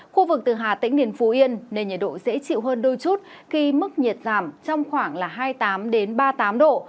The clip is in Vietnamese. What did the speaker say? khu vực từ hà tĩnh đến phú yên nền nhiệt độ dễ chịu hơn đôi chút khi mức nhiệt giảm trong khoảng hai mươi tám ba mươi tám độ